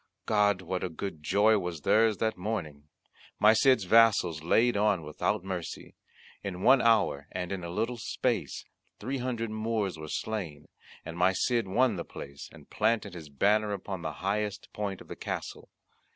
God! what a good joy was theirs that morning! My Cid's vassals laid on without mercy; in one hour, and in a little space, three hundred Moors were slain, and my Cid won the place, and planted his banner upon the highest point of the castle.